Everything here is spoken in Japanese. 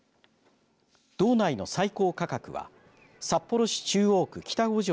道内の最高価格は札幌市中央区北５条